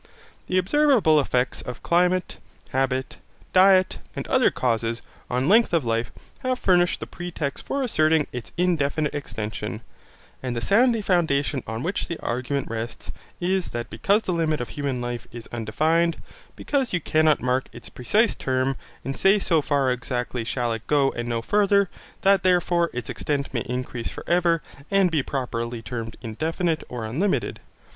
The observable effects of climate, habit, diet, and other causes, on length of life have furnished the pretext for asserting its indefinite extension; and the sandy foundation on which the argument rests is that because the limit of human life is undefined; because you cannot mark its precise term, and say so far exactly shall it go and no further; that therefore its extent may increase for ever, and be properly termed indefinite or unlimited.